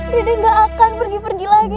dede gak akan pergi pergi lagi